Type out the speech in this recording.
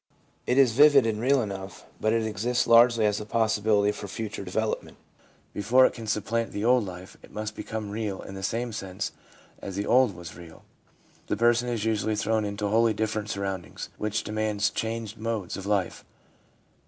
It is vivid and real enough, but it exists largely as a possibility for future development. Before it can supplant the old life, it must become real in the same sense as the old was real. The person is usually thrown into wholly different surroundings, which de mand changed modes of life.